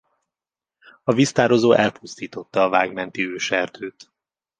A víztározó elpusztította a Vág menti őserdőt.